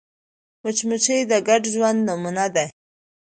مچمچۍ د ګډ ژوند نمونه ده